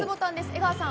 江川さん